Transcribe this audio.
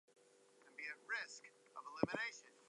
The episodes have been made available on home media by Funimation.